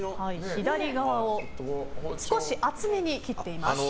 左側を少し厚めに切っています。